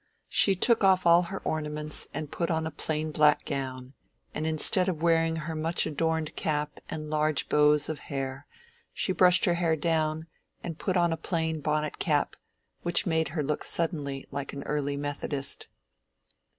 She took off all her ornaments and put on a plain black gown, and instead of wearing her much adorned cap and large bows of hair, she brushed her hair down and put on a plain bonnet cap, which made her look suddenly like an early Methodist.